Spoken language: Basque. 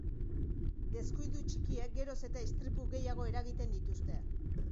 Deskuidu txikiek geroz eta istripu gehiago eragiten dituzte.